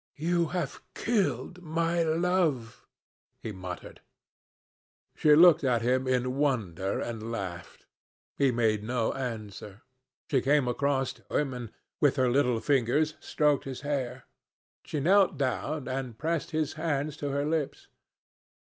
"You have killed my love," he muttered. She looked at him in wonder and laughed. He made no answer. She came across to him, and with her little fingers stroked his hair. She knelt down and pressed his hands to her lips.